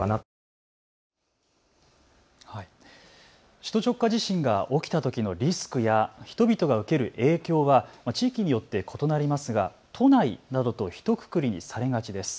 首都直下地震が起きたときのリスクや人々が受ける影響は地域によって異なりますが都内などとひとくくりにされがちです。